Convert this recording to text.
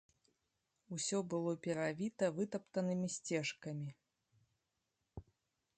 Усё было перавіта вытаптанымі сцежкамі.